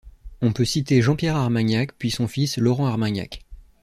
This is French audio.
On peut citer Jean Pierre Armagnac, puis son fils Laurent Armagnac.